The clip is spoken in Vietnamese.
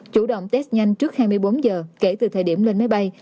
chủ động test nhanh trước hai mươi bốn giờ kể từ thời điểm lên máy bay